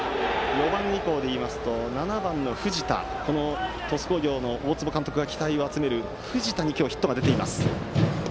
４番以降でいいますと７番の鳥栖工業の大坪監督が期待を集める藤田に今日、ヒットが出ています。